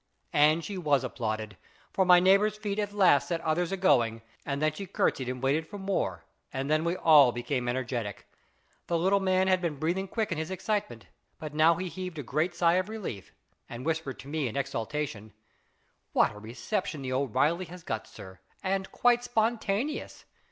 And she was applauded, for my neighbour's feet at last set others a going, and then she curtseyed and waited for more, and then we all became energetic. The little man had been breathing quick in his excitement, but now he heaved a great sigh of relief, and whispered to me in exultation, " What a reception the O'Reilly has got, sir, and quite spontaneous.